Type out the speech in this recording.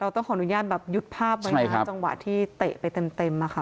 ต้องขออนุญาตยดภาพไหมคะจังหวะที่เตะไปเต็ม